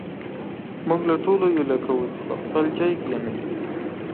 موږ له ټولو هيله کوو چې پر خپل ځاى کښېنئ